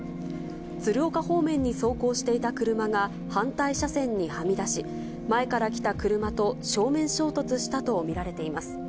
鶴岡方面に走行していた車が反対車線にはみ出し、前から来た車と正面衝突したと見られています。